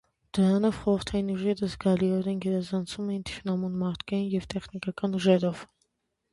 Դրանով խորհրդային ուժերը զգալիորեն գերազանցում էին թշնամուն մարդկային և տեխնիկական ուժերով։